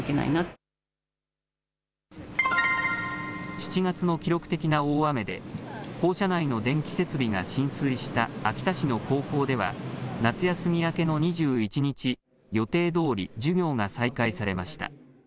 ７月の記録的な大雨で校舎内の電気設備が浸水した秋田市の高校では夏休み明けの２１日、予定どおり授業が再開されました。